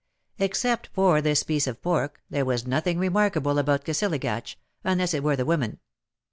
Except for this piece of pork, there was nothing remarkable about Kisilagatch, unless it were the women.